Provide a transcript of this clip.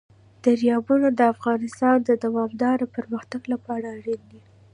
دریابونه د افغانستان د دوامداره پرمختګ لپاره اړین دي.